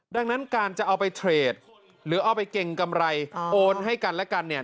ดังนั้นการจะเอาไปเทรดหรือเอาไปเก่งกำไรโอนให้กันและกันเนี่ย